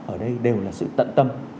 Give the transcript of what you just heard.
ở đây đều là sự tận tâm